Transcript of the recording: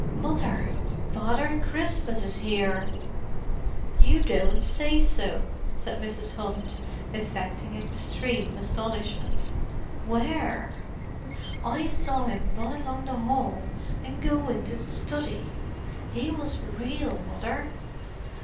"Mother! Father Christmas is here!" "You don't say so!" said Mrs. Hunt, affecting extreme astonishment. "Where?" "I saw him run along the hall and go into the study. He was real, Mother!"